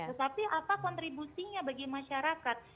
tetapi apa kontribusinya bagi masyarakat